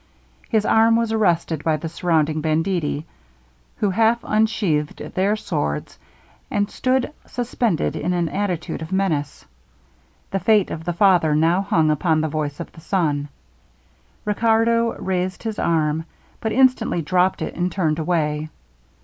His arm was arrested by the surrounding banditti, who half unsheathed their swords, and stood suspended in an attitude of menace. The fate of the father now hung upon the voice of the son. Riccardo raised his arm, but instantly dropped it, and turned away.